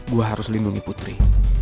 gue harus lindungi putri